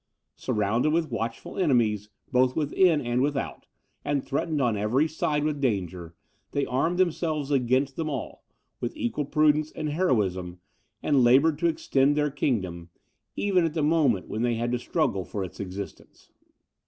Surrounded with watchful enemies, both within and without, and threatened on every side with danger, they armed themselves against them all, with equal prudence and heroism, and laboured to extend their kingdom, even at the moment when they had to struggle for its existence.